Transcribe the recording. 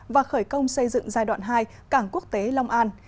và khởi công xây dựng giai đoạn hai cảng quốc tế long an